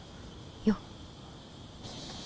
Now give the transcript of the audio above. よっ。